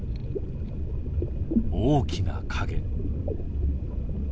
大きな影。